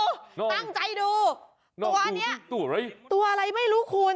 ตั้งใจดูตัวอันนี้ตัวอะไรตัวอะไรไม่รู้คุณ